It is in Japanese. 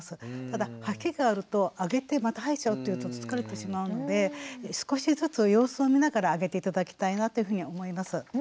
ただ吐き気があるとあげてまた吐いちゃうっていうと疲れてしまうので少しずつ様子を見ながらあげて頂きたいなというふうに思います。